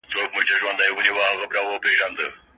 سوله د ټولنې تر ټولو لویه اړتیا ده.